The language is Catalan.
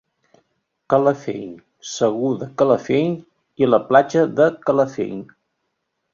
Calafell, Segur de Calafell i la Platja de Calafell.